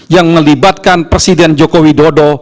yang melibatkan presiden joko widodo